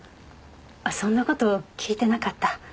そんな事聞いてなかった。